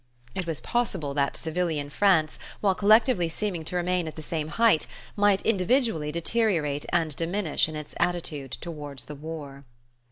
It was possible that civilian France, while collectively seeming to remain at the same height, might individually deteriorate and diminish in its attitude toward the war.